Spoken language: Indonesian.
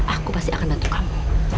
aku pasti akan bantu kamu